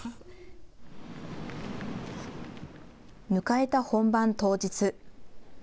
迎えた本番当日。